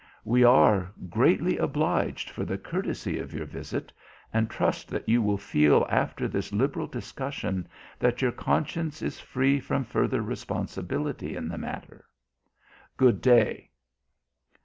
We are, greatly obliged for the courtesy of your visit and trust that you will feel after this liberal discussion that your conscience is free from further responsibility in the matter. Good day."